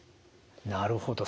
なるほど。